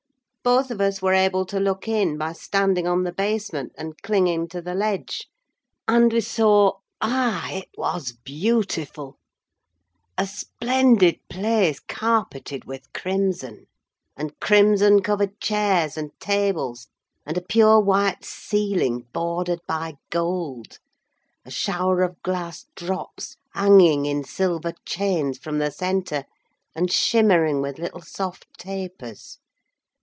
Both of us were able to look in by standing on the basement, and clinging to the ledge, and we saw—ah! it was beautiful—a splendid place carpeted with crimson, and crimson covered chairs and tables, and a pure white ceiling bordered by gold, a shower of glass drops hanging in silver chains from the centre, and shimmering with little soft tapers.